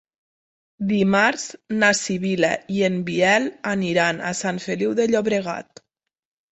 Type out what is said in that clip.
Dimarts na Sibil·la i en Biel aniran a Sant Feliu de Llobregat.